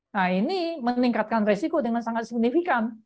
nah ini meningkatkan resiko dengan sangat signifikan